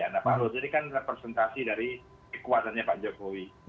nah pak luhut ini kan representasi dari kekuatannya pak jokowi